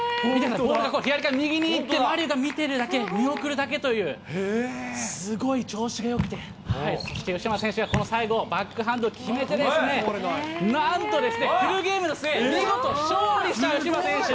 これ、左から右に行って、馬龍が見てるだけ、見送るだけという、すごい調子がよくて、そして吉村選手が最後、バックハンド、決め手ですね、なんとですね、フルゲームの末、見事勝利した吉村選手。